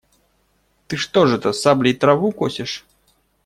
Ты что ж это, саблей траву косишь?